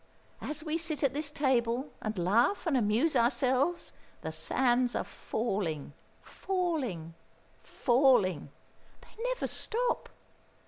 As we sit at this table and laugh and amuse ourselves, the sands are falling, falling, falling they never stop!